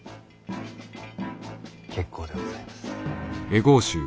結構でございます。